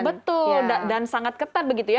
betul dan sangat ketat begitu ya